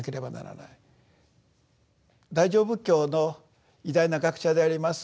大乗仏教の偉大な学者であります